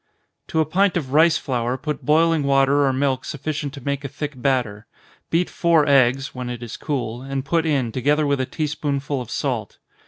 _ To a pint of rice flour put boiling water or milk sufficient to make a thick batter. Beat four eggs, (when it is cool,) and put in, together with a tea spoonful of salt.